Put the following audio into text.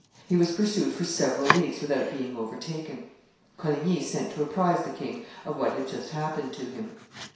He was pursued for several leagues without being overtaken. Coligny sent to apprise the king of what had just happened to him.